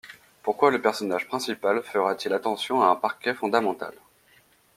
Pourquoi le personnage principal fera-t-il attention à un parquet fondamental?